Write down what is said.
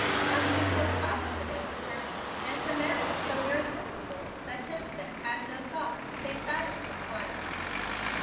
Lottie was so positive and determined, and her manner so irresistible, that Hemstead had no thought, save that of compliance.